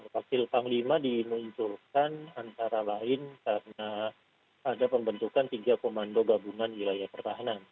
wakil panglima dimunculkan antara lain karena ada pembentukan tiga komando gabungan wilayah pertahanan